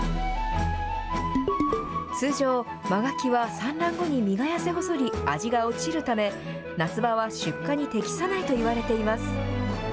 通常、真ガキは産卵後に身が痩せ細り、味が落ちるため、夏場は出荷に適さないといわれています。